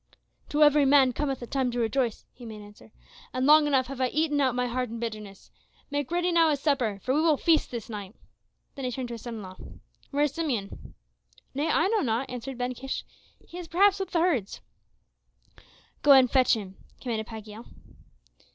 "To every man cometh a time to rejoice," he made answer, "and long enough have I eaten out my heart in bitterness. Make ready now a supper, for we will feast this night." Then he turned to his son in law. "Where is Simeon?" "Nay, I know not," answered Ben Kish. "He is perhaps with the herds." "Go and fetch him," commanded Pagiel.